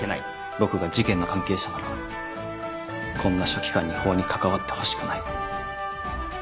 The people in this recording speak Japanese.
僕が事件の関係者ならこんな書記官に法に関わってほしくない。